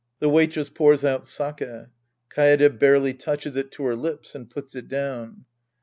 {The Waitress pours out sake. Kaede barely touches it to her lips and puts it down!)